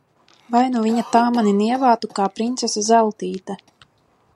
Vai nu viņa tā mani nievātu, kā princese Zeltīte!